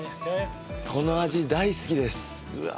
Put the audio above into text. この味大好きですうわ